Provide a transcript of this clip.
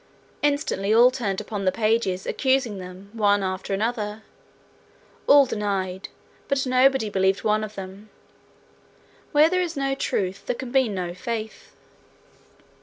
Instantly all turned upon the pages, accusing them, one after another. All denied, but nobody believed one of them: Where there is no truth there can be no faith.